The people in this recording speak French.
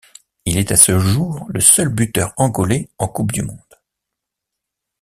Il est à ce jour le seul buteur angolais en Coupe du monde.